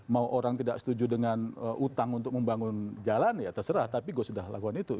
mau orang tidak setuju dengan utang untuk membangun jalan ya terserah tapi gue sudah lakukan itu